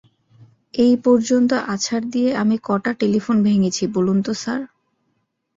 এই পর্যন্ত আছাড় দিয়ে আমি কটা টেলিফোন ভেঙেছি বলুন তো স্যার?